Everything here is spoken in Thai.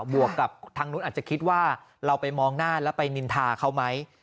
วกกับทางนู้นอาจจะคิดว่าเราไปมองหน้าแล้วไปนินทาเขาไหม